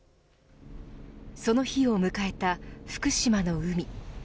その日を迎えた福島の海。